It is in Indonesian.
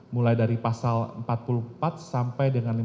mulai dari pasal empat puluh empat sampai dengan lima puluh